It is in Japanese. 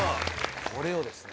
これをですね。